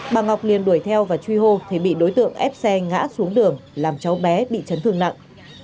bà ngọc liền đuổi theo và truy hô thì bị đối tượng ép xe ngã xuống đường làm cháu bé bị chấn thương nặng